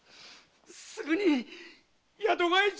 すぐに宿替えじゃ！